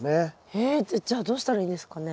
えじゃあどうしたらいいんですかね？